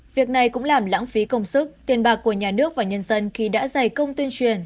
việc này cũng làm lãng phí công sức tiền bạc của nhà nước và nhân dân khi đã dày công tuyên truyền